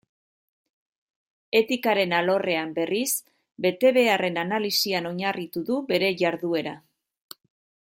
Etikaren alorrean, berriz, betebeharren analisian oinarritu du bere jarduera.